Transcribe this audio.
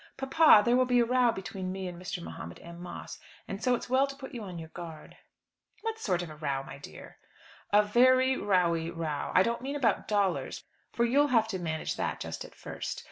Papa, there will be a row between me and Mr. Mahomet M. Moss, and so it's well to put you on your guard." "What sort of a row, my dear?" "A very rowy row. I don't mean about dollars, for you'll have to manage that just at first.